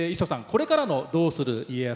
これからの「どうする家康」